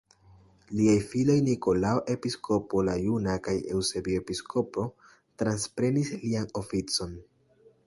Liaj filoj Nikolao Episkopo la Juna kaj Eŭsebio Episkopo transprenis lian oficon.